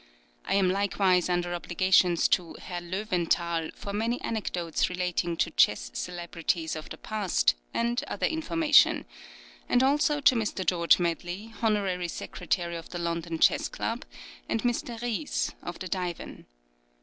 I am likewise under obligations to Herr Löwenthal for many anecdotes relating to chess celebrities of the past, and other information; and also to Mr. George Medley, Honorary Secretary of the London Chess Club, and Mr. Ries, of the Divan.